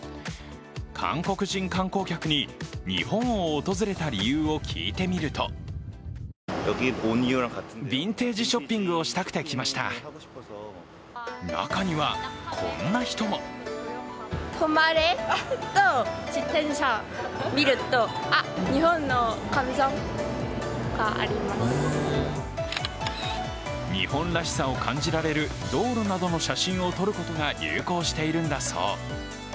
韓国人観光客に日本を訪れた理由を聞いてみると中には、こんな人も日本らしさを感じられる道路などの写真を撮ることが流行しているんだそう。